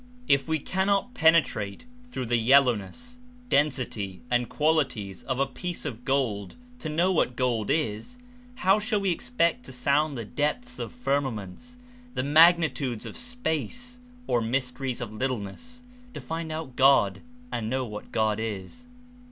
If we cannot penetrate through the yel lowness, density and qualities of a piece of gold to know what gold Is, how shall we expect to sound the depths of firmaments, the magnitudes of space or mys teries of littleness to find out God and know what God Is?